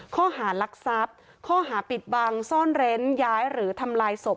ข้อหารักทรัพย์ข้อหาปิดบังซ่อนเร้นย้ายหรือทำลายศพ